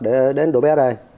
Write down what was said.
để đến đảo bé đây